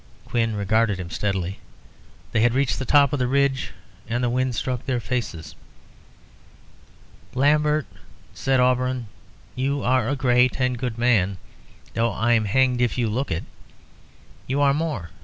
Quin regarded him steadily. They had reached the top of the ridge and the wind struck their faces. "Lambert," said Auberon, "you are a great and good man, though I'm hanged if you look it. You are more.